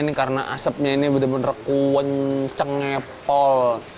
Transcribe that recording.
ini adanya masukan yang berukuran lengketnya dan jelas